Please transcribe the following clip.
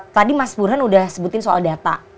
tadi mas burhan udah sebutin soal data